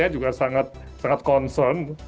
yang juga sangat concern